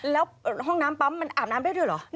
แล้วห้องน้ำปั๊มมันอาบน้ำได้ด้วยเหรอ